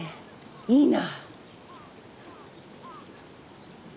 いいな。